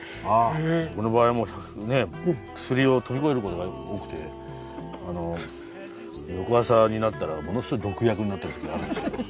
僕の場合はもうね薬を飛び越える事が多くて翌朝になったらものすごい毒薬になってる時があるんですけど。